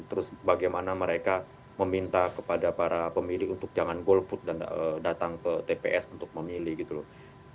terus bagaimana mereka meminta kepada para pemilih untuk jangan golput dan datang ke tps untuk memilih gitu loh